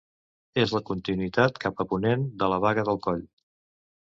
És la continuïtat cap a ponent de la Baga del Coll.